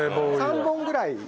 ３本ぐらい。